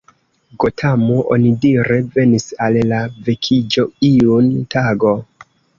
Gotamo onidire venis al la vekiĝo iun tago.